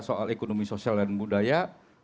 soal ekonomi sosial dan budaya